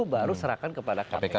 baru serahkan kepada kpk